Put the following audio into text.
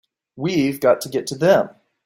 We've got to get to them!